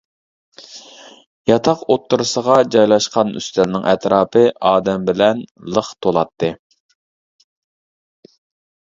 ياتاق ئوتتۇرىسىغا جايلاشقان ئۈستەلنىڭ ئەتراپى ئادەم بىلەن لىق تولاتتى.